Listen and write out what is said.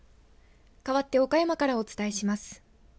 かわって岡山からお伝えします。